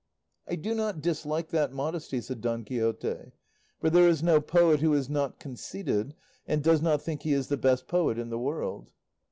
"I do not dislike that modesty," said Don Quixote; "for there is no poet who is not conceited and does not think he is the best poet in the world."